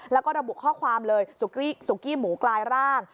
แล้วก็ระบุข้อความเลยสุกี้หมูกลายร่าง